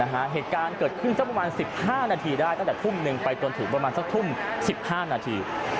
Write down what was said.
เหตุการณ์เกิดขึ้นสักประมาณ๑๕นาทีได้ตั้งแต่ทุ่มหนึ่งไปจนถึงประมาณสักทุ่ม๑๕นาที